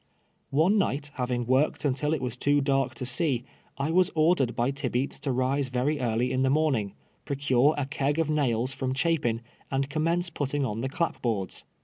One niglit, having worked until it was too dark to see, I was ordered by Tibeats to rise very early in the morning, procure a keg of nails from Chapin, and commence putting on the chipboards.